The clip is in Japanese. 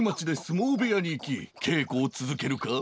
もうべやにいきけいこをつづけるか？